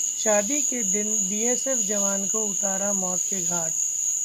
शादी के दिन बीएसएफ जवान को उतारा मौत के घाट